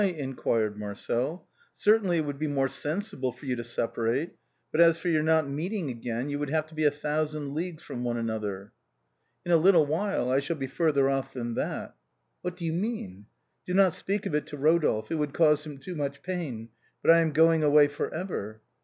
" inquired Marcel. " Certainly it would be more sensible for you to separate, but as for your not meeting again, you would have to be a thousand leagues from one another." " In a little while I shall be further off than that." " What do you mean ?" "Do not speak of it to Eodolphe, it would cause him too much pain, but I am going away for ever."